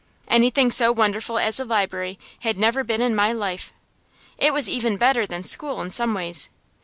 Anything so wonderful as a library had never been in my life. It was even better than school in some ways.